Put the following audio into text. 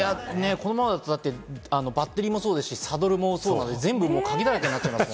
このバッテリーもそうですしサドルもそう、全部鍵だらけになっちゃいます